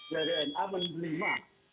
dari nma menerima